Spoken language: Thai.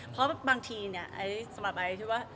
เพราะบางทีเนี่ย